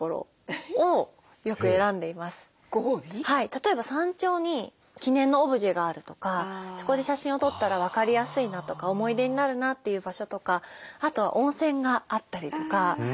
例えば山頂に記念のオブジェがあるとかそこで写真を撮ったら分かりやすいなとか思い出になるなという場所とかあとは温泉があったりとか。